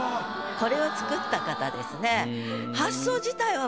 これを作った方ですね。